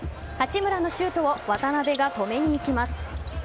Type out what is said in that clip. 八村のシュートを渡邊が止めにいきます。